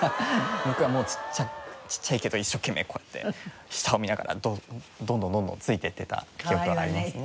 もうちっちゃいけど一生懸命こうやって下を見ながらどんどんどんどんついていってた記憶はありますね。